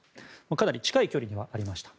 かなり近い距離ではありました。